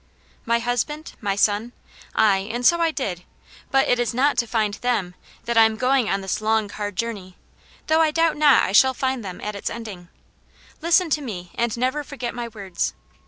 ^' My husband, my son? Aye, and so I did. But it is not to find them that 1 am ^om^ ^tv'^v^V^ns^^ Aunt Janets Hero. 243 hard journey ; though I doubt not I shall find them at its ending. Listen to me, and never forget my words.